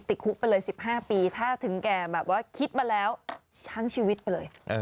ติดคุกไปเลย๑๕ปีถ้าถึงแก่แบบว่าคิดมาแล้วชังชีวิตไปเลย